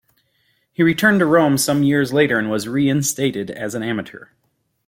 He returned to Rome some years later and was reinstated as an amateur.